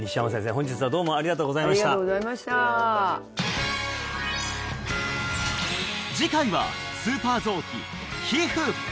本日はどうもありがとうございましたありがとうございました次回はスーパー臓器「皮膚」